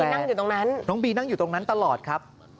นั่งอยู่ตรงนั้นน้องบีนั่งอยู่ตรงนั้นตลอดครับ